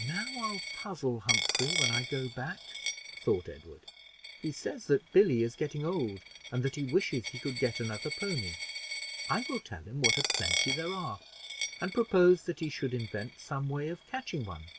"Now I'll puzzle Humphrey when I go back," thought Edward. "He says that Billy is getting old, and that he wishes he could get another pony. I will tell him what a plenty there are, and propose that he should invent some way of catching one.